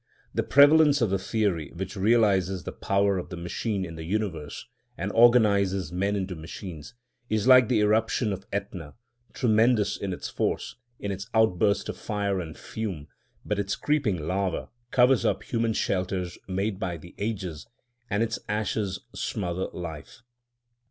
The prevalence of the theory which realises the power of the machine in the universe, and organises men into machines, is like the eruption of Etna, tremendous in its force, in its outburst of fire and fume; but its creeping lava covers up human shelters made by the ages, and its ashes smother life.